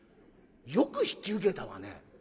よく引き受けたわね。